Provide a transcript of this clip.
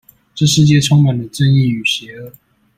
這世界充滿了正義與邪惡